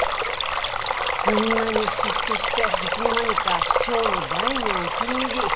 こんなに出世していつの間にか市長の大のお気に入り。